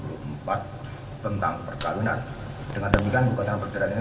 dengan demikian gugatan perjalanan ini merupakan satu satunya jalan yang berjalan dengan baik